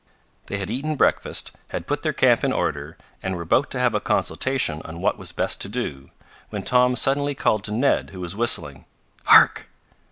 They had eaten breakfast, had put their camp in order, and were about to have a consultation on what was best to do, when Tom suddenly called to Ned, who was whistling: "Hark!"